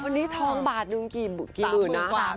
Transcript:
วันนี้ทองบาทหนึ่งกี่บาทหนึ่งมาก